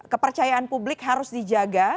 kepercayaan publik harus dijaga